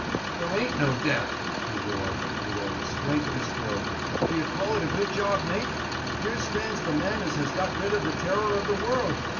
'There ain't no death!' he roared, with all the strength of his throat. 'D'ye call it a good job, mate? Here stands the man as has got rid of the terror of the world.